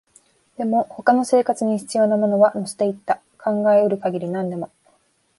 でも、他の生活に必要なものは乗せていった、考えうる限り何でも